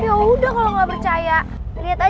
yaudah kalau gak percaya lihat aja nanti